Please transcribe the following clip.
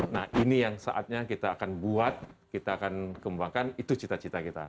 nah ini yang saatnya kita akan buat kita akan kembangkan itu cita cita kita